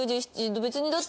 別にだって。